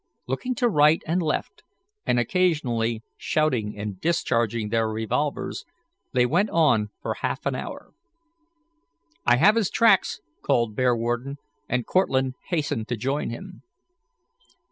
Looking to right and left, and occasionally shouting and discharging their revolvers, they went on for half an hour. "I have his tracks," called Bearwarden, and Cortlandt hastened to join him.